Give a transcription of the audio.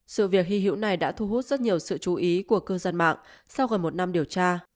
sự việc hy hữu này đã thu hút rất nhiều sự chú ý của cư dân mạng sau gần một năm điều tra